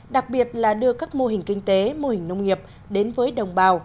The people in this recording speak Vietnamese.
đặc biệt là đưa các mô hình kinh tế mô hình nông nghiệp đến với đồng bào